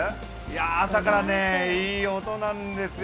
朝からいい音なんですよ。